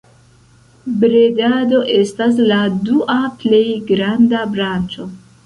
Bredado estas la dua plej granda branĉo.